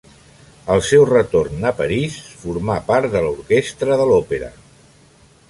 Al seu retorn a París formà part de l'orquestra de l'Òpera.